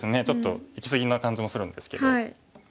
ちょっといき過ぎな感じもするんですけど。